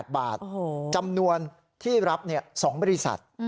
๗๕๗๙๔๐๒๐๗๘บาทจำนวนที่รับ๒บริษัท